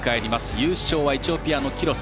優勝はエチオピアのキロス。